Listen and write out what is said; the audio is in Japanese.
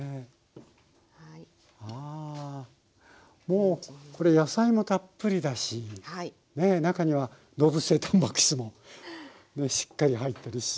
もうこれ野菜もたっぷりだし中には動物性たんぱく質もしっかり入ってるし。